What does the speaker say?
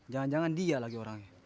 jangan jangan dia lagi orangnya